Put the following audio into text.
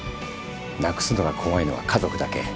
なくすのが怖いのは家族だけ。